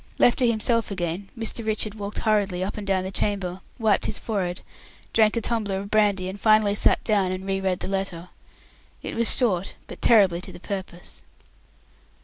Left to himself again, Mr. Richard walked hurriedly up and down the chamber, wiped his forehead, drank a tumbler of brandy, and finally sat down and re read the letter. It was short, but terribly to the purpose.